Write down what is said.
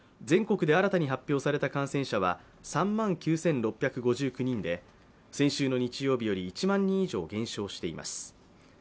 全国で新たに発表された感染者は、３万９６５９人で先週の日曜日より１万人以上減少しています。